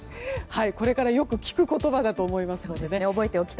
これからよく聞く言葉だと思います。